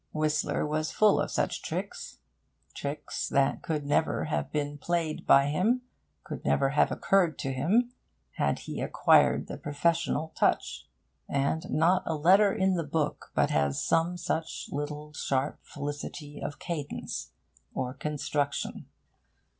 Whistler was full of such tricks tricks that could never have been played by him, could never have occurred to him, had he acquired the professional touch And not a letter in the book but has some such little sharp felicity of cadence or construction.